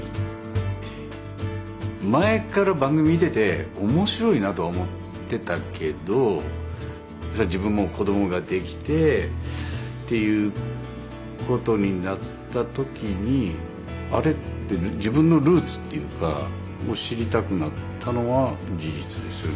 前から番組見てて面白いなとは思ってたけど自分も子どもができてっていうことになった時にあれ？って自分のルーツっていうかを知りたくなったのは事実ですよね。